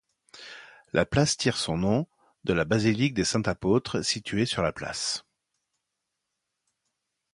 La place tire son nom de la Basilique des Saints-Apôtres, située sur la place.